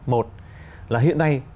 một là hiện nay